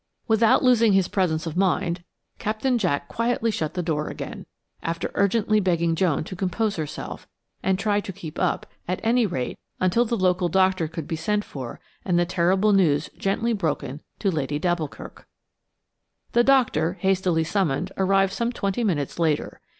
Without losing his presence of mind, Captain Jack quietly shut the door again, after urgently begging Joan to compose herself, and try to keep up, at any rate until the local doctor could be sent for and the terrible news gently broken to Lady d'Alboukirk. The doctor, hastily summoned, arrived some twenty minutes later.